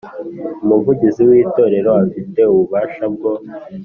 Umuvugizi w Itorero afite ububasha bwo